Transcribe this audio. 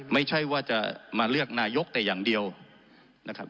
ไม่ใช่ว่าจะมาเลือกนายกแต่อย่างเดียวนะครับ